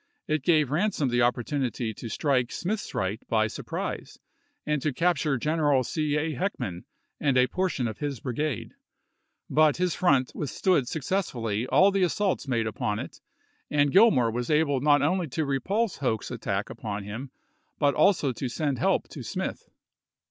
It gave Ran som the opportunity to strike Smith's right by surprise and to capture General C. A. Heckman and a portion of his brigade ; but his front with May 16,1864. stood succcssfully all the assaults made upon it, and Gillmore was able not only to repulse Hoke's attack upon him but also to send help to Smith.